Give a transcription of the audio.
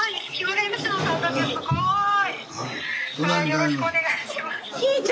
よろしくお願いします。